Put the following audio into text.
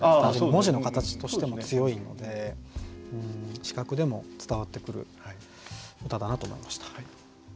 文字の形としても強いので視覚でも伝わってくる歌だなと思いました。